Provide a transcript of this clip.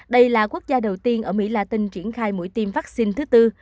đây là quốc gia đầu tiên ở mỹ latin triển khai mũi tiêm vaccine thứ tư